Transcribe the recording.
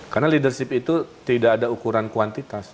karena leadership itu tidak ada ukuran kuantitas